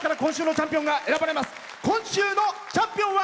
今週のチャンピオンは。